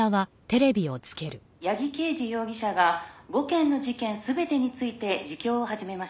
「八木敬司容疑者が５件の事件全てについて自供を始めました」